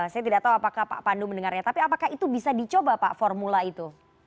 saya tidak tahu apakah pak pandu mendengarnya tapi apakah itu bisa dicoba pak formula itu